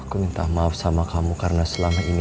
aku minta maaf sama kamu karena selama ini